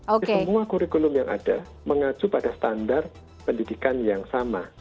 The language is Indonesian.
di semua kurikulum yang ada mengacu pada standar pendidikan yang sama